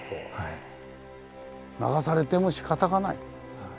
流されてもしかたがない。